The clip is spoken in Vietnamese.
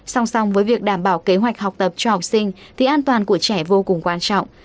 song song với việc đảm bảo kế hoạch học tập cho học sinh thì an toàn của trẻ vô cùng quan trọng